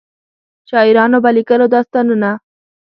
شاعرانو به لیکلو داستانونه.